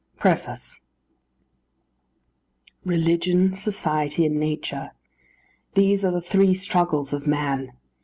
PREFACE Religion, Society, and Nature! these are the three struggles of man.